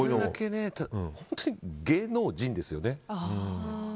本当に芸能人ですよね。